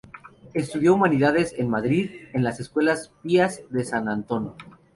Estudió humanidades en Madrid, en las Escuelas Pías de San Antón.